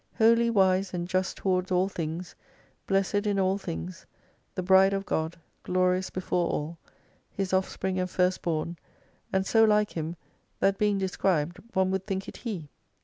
Holy, wise, and just tov/ards all things, blessed in all things, the Bride of God, glorious before all. His offspring and first born, and so like Him, that being described, one would think it He.